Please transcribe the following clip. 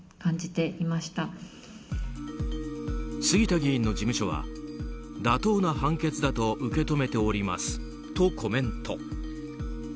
杉田議員の事務所は妥当な判決だと受け止めておりますとコメント。